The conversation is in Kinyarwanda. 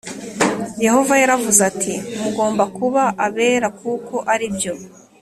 Yehova yaravuze ati Mugomba kuba abera kuko aribyo